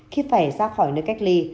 khi phải ra khỏi nơi cách ly